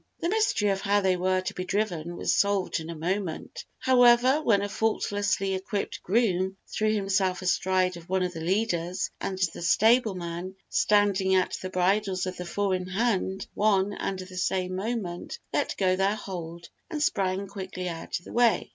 The mystery of how they were to be driven was solved in a moment, however, when a faultlessly equipped groom threw himself astride of one of the leaders, and the stablemen, standing at the bridles of the four in hand, at one and the same moment let go their hold, and sprang quickly out of the way.